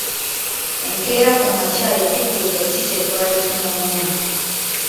Enkeera ku makya yatubuuza kye twali tunonye.